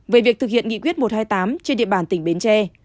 về việc thực hiện nghị quyết một trăm hai mươi tám trên địa bàn tỉnh bến tre